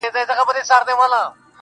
ګټه نسي کړلای دا دي بهانه ده.